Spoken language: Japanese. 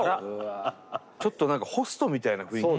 ちょっと何かホストみたいな雰囲気。